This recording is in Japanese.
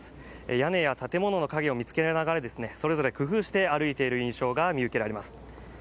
屋根や建物の陰を見つけながらそれぞれ工夫して歩いている印象が見受けられます。